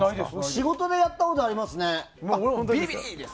仕事でやったことがありますね。